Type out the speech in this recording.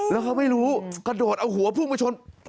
แล้วเขาไม่รู้กระโดดเอาหัวพุ่งไปชน